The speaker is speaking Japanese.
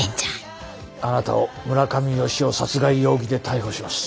あなたを村上好夫殺害容疑で逮捕します。